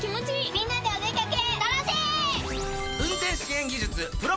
みんなでお出掛け。